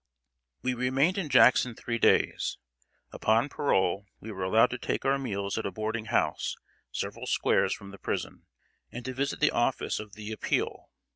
] We remained in Jackson three days. Upon parole, we were allowed to take our meals at a boarding house several squares from the prison, and to visit the office of The Appeal.